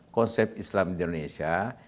konsep islam di indonesia